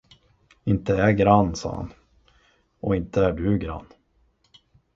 Inte är jag grann, sade han, och inte är du grann.